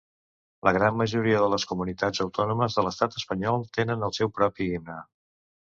La gran majoria de les comunitats autònomes de l'Estat espanyol tenen el seu propi himne.